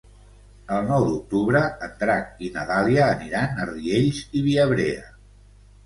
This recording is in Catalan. El nou d'octubre en Drac i na Dàlia aniran a Riells i Viabrea.